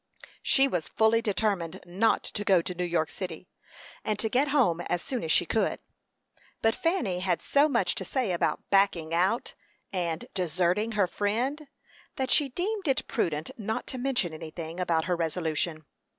She was fully determined not to go to New York city, and to get home as soon as she could. But Fanny had so much to say about "backing out," and "deserting her friend," that she deemed it prudent not to mention anything about her resolution.